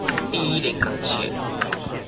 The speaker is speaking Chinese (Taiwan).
第一臨港線